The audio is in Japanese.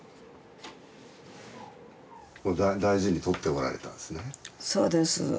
大事にとっておられたんですね。